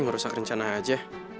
ngerusak rencana aja